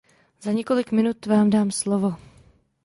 Za několik minut vám dám slovo.